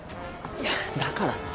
いやだからって。